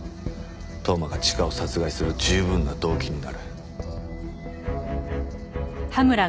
当麻がチカを殺害する十分な動機になる。